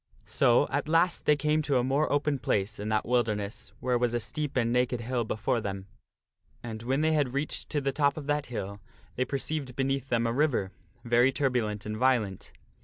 So, at last they came to PELLIAS ENCOUNTERS THE RED KNIGHT 219 a more open place in that wilderness where was a steep and naked hill before them. And when they had reached to the top of that hill they perceived beneath them a river, very turbulent and violent.